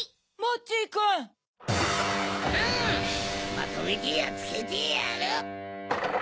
まとめてやっつけてやる！